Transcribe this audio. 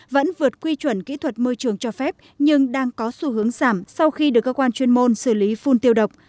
vẫn vượt quy chuẩn kỹ thuật môi trường cho phép nhưng đang có xu hướng giảm sau khi được cơ quan chuyên môn xử lý phun tiêu độc